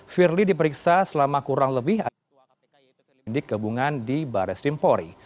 firly diperiksa selama kurang lebih ada dua kpk yaitu penyidik kebungan di barat simpori